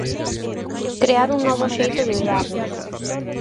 Crear un novo xeito de ollarnos.